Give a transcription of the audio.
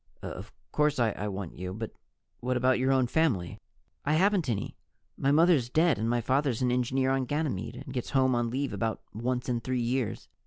"Of course I want you. But what about your own family?" "I haven't any. My mother's dead and my father's an engineer on Ganymede and gets home on leave about once in three years.